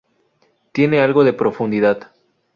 Tiene algo de profundidad.